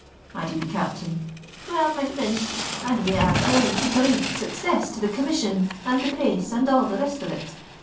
added the captain. "Well, my frind—and we are going to dhrink success to the Commission and the Pace and all the rist of it.